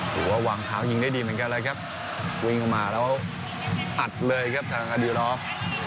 วางเท้ายิงได้ดีเหมือนกันเลยครับวิ่งออกมาแล้วอัดเลยครับทางอดิวรอฟ